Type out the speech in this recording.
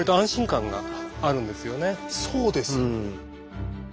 そうです。